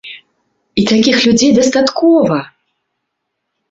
І такіх людзей дастаткова!